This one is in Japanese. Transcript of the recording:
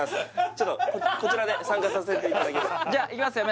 ちょっとこちらで参加させていただきますじゃあいきますよ